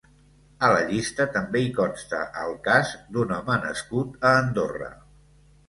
A la llista també hi consta el cas d’un home nascut a Andorra.